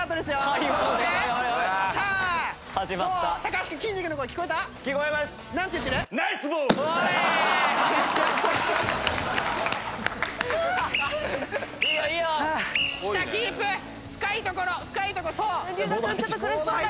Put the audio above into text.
龍我君ちょっと苦しそうだが。